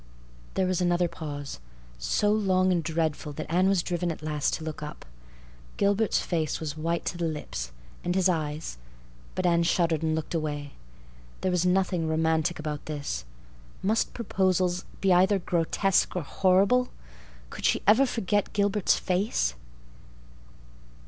There was another pause—so long and so dreadful that Anne was driven at last to look up. Gilbert's face was white to the lips. And his eyes—but Anne shuddered and looked away. There was nothing romantic about this. Must proposals be either grotesque or—horrible? Could she ever forget Gilbert's face?